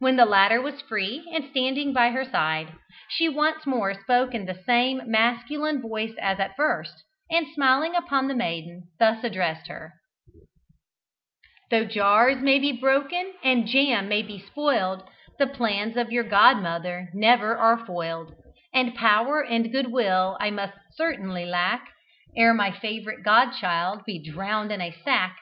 When the latter was free, and standing by her side, she once more spoke in the same masculine voice as at first, and smiling upon the maiden, thus addressed her: "Tho' jars may be broken and jam may be spoiled, The plans of your godmother never are foiled, And power and good will I must certainly lack Ere my favourite god child be drowned in a sack.